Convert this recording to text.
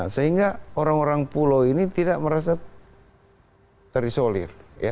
sehingga orang orang pulau ini tidak merasa terisolir